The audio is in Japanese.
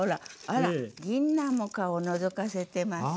あらぎんなんも顔をのぞかせてます！